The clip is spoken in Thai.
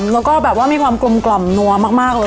แล้วก็มีความกรุ่มเนาะมากเลย